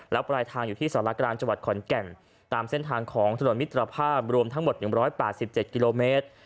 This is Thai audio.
แล้วปลายทางอยู่ที่สารกลางจังหวัดขอนแก่นตามเส้นทางของถนนมิตรภาพรวมทั้งหมด๑๘๗กิโลเมตร